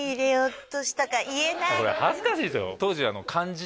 これ恥ずかしいですよあ！